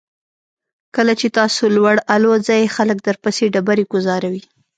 کله چې تاسو لوړ الوځئ خلک درپسې ډبرې ګوزاروي.